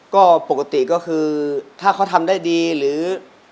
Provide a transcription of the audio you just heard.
ก็ปกติก็คือถ้าเขาทำได้ดีหรือ